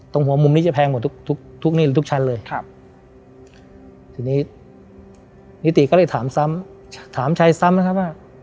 ตรงหัวมุมนี้จะแพงหมดทุกทุกชั้นเลยครับทีนี้นิติก็เลยถามซ้ำถามชัยซ้ำนะครับว่า